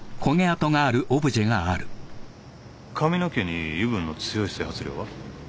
髪の毛に油分の強い整髪料は？